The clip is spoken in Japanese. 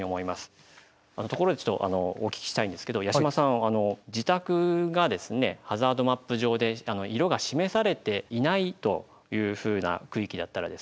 ところでちょっとお聞きしたいんですけど八嶋さん自宅がですねハザードマップ上で色が示されていないというふうな区域だったらですねどう思いますか。